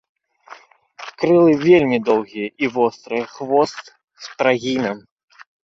Крылы вельмі доўгія і вострыя, хвост з прагінам.